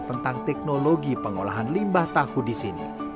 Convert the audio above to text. tentang teknologi pengolahan limbah tahu di sini